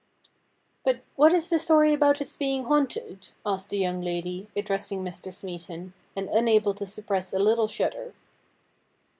' But what is the story about its being haunted ?' asked the young lady, addressing Mr. Smeaton, and unable to sup press a little shudder.